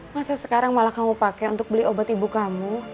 masa sekarang malah kamu pakai untuk beli obat ibu kamu